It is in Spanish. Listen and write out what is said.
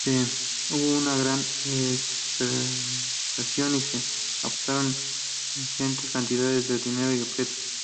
Hubo una gran expectación y se apostaron ingentes cantidades de dinero y objetos.